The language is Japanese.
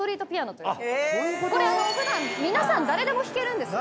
これ普段皆さん誰でも弾けるんです。